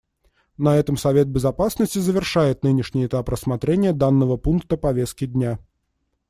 На этом Совет Безопасности завершает нынешний этап рассмотрения данного пункта повестки дня.